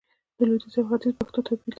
د لويديځ او ختيځ پښتو توپير لري